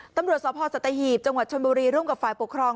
ตำรวจสพสัตหีบจังหวัดชนบุรีร่วมกับฝ่ายปกครอง